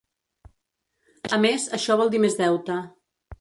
A més, això vol dir més deute.